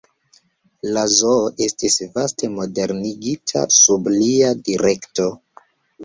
La zoo estis vaste modernigita sub lia direkto.